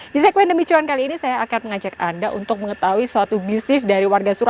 bisa kemincuan kali ini saya akan mengajak anda untuk mengetahui suatu bisnis dari warga